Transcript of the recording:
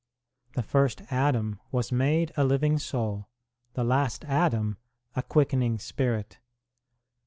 The first Adam was made a living soul ; the last Adam a quickening spirit.